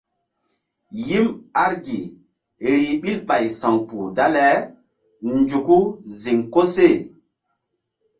Yim argi rih ɓil ɓay sa̧wkpuh dale nzuku ziŋ koseh.